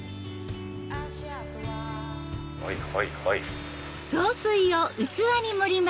はいはいはい。